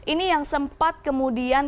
ini yang sempat kemudian